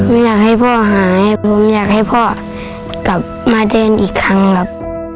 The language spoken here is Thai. ไม่อยากให้พ่อหายผมอยากให้พ่อกลับมาเดินอีกครั้งครับ